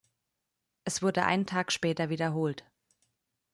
Es wurde einen Tag später wiederholt.